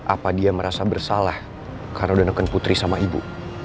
apa dia merasa bersalah karena udah nekat putri sama ibu